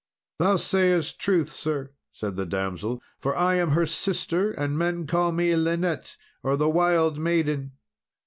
"Thou sayest truth, sir," said the damsel; "for I am her sister; and men call me Linet, or the Wild Maiden."